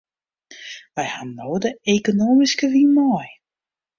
Wy hawwe no de ekonomyske wyn mei.